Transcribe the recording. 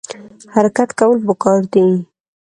حرکت کول پکار دي